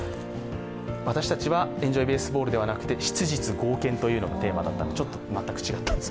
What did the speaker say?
私たちはエンジョイベースボールではなくて質実剛健というのがテーマだったのでちょっと全く違ったんです。